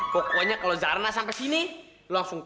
pokoknya kalau zarina sampai sini lo langsung